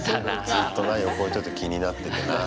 ずっとな横置いといて気になっててな。